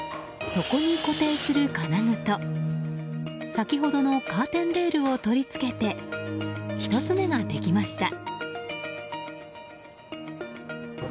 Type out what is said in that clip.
そこに固定する金具と先ほどのカーテンレールを取り付けて１つ目ができました。